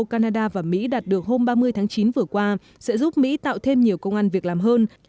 canada và mỹ đạt được hôm ba mươi tháng chín vừa qua sẽ giúp mỹ tạo thêm nhiều công an việc làm hơn